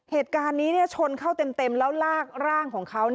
เหตุการณ์นี้ชนเข้าเต็มแล้วลากร่างของเขา